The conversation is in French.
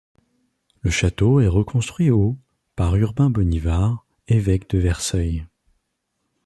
Le château est reconstruit au par Urbain Bonivard, évêque de Verceil.